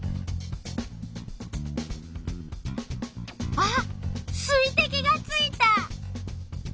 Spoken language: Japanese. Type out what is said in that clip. あっ水てきがついた！